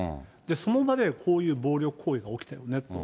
その場でこういう暴力行為が起きてると。